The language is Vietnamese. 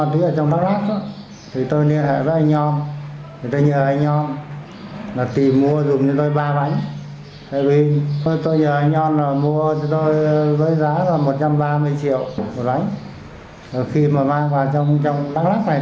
ba trăm chín mươi triệu tôi đi mua lấy ba bánh heroin